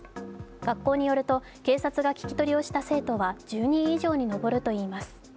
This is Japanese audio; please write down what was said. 学校によると警察が聞き取りをした生徒は１０人以上に上るといいます。